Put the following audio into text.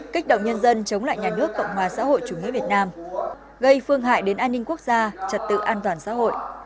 kích động nhân dân chống lại nhà nước cộng hòa xã hội chủ nghĩa việt nam gây phương hại đến an ninh quốc gia trật tự an toàn xã hội